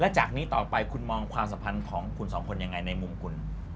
จากนี้ต่อไปคุณมองความสัมพันธ์ของคุณสองคนยังไงในมุมคุณ